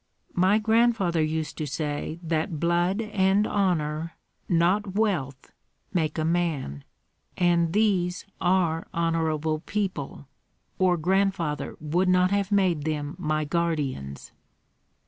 "My grandfather used to say that blood and honor, not wealth, make a man; and these are honorable people, or grandfather would not have made them my guardians."